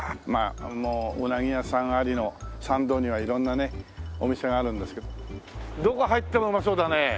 もううなぎ屋さんありの参道には色んなねお店があるんですけどどこ入ってもうまそうだね！